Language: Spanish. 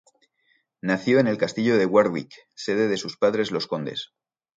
Nació en el castillo de Warwick, sede de sus padres los condes.